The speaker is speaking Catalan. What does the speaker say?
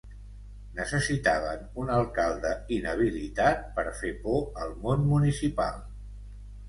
Necessitaven un alcalde inhabilitat per fer por al món municipal.